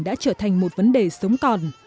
đã trở thành một vấn đề sống còn